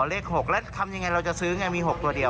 เลข๖แล้วทำยังไงเราจะซื้อไงมี๖ตัวเดียว